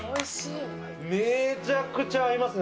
めちゃくちゃ合いますね、